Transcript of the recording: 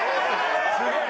すげえ！